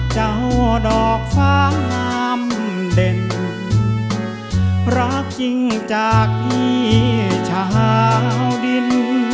ดอกฟ้างามเด่นรักจริงจากพี่ชาวดิน